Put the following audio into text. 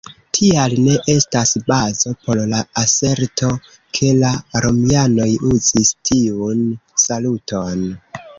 Tial ne estas bazo por la aserto ke la romianoj uzis tiun saluton.